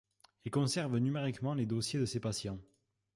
Il conserve numériquement les dossiers de ses patients.